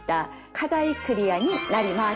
課題クリアになります！